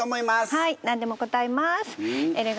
はい何でも答えます。